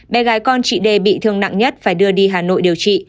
bé gái con chị đề bị thương nặng nhất phải đưa đi hà nội điều trị